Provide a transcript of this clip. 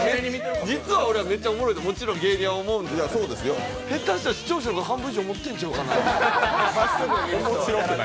俺も、めっちゃおもろいってもちろん芸人は思うんですけど、下手したら視聴者の半分以上が思ってるんちゃうんかな。